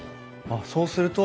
あっそうすると。